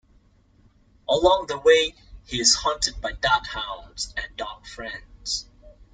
Along the way he is hunted by Darkhounds and Darkfriends.